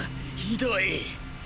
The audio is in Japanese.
ひどい！